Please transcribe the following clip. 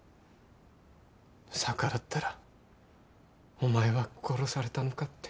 逆らったらお前は殺されたのかって。